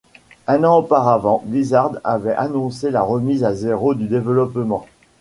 Un an auparavant, Blizzard avait annoncé la remise à zéro du développement.